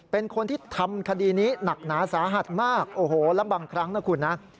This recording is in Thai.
เป็นคนที่ทำคดีนี้หนักหนาสาหัสมากโอ้โหแล้วบางครั้งนะคุณนะ